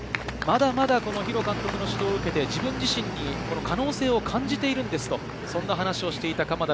まだまだ弘監督の指導を受けて自分自身に可能性を感じているんですと、そんな話をしていました。